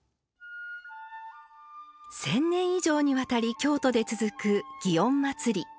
１０００年以上にわたり京都で続く祇園祭。